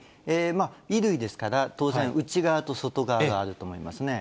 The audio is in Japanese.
衣類ですから、当然、内側と外側があると思いますね。